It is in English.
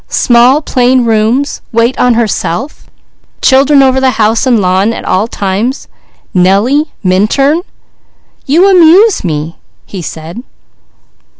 "Small plain rooms, wait on herself, children over the house and lawn at all times Nellie Minturn? You amuse me!" he said.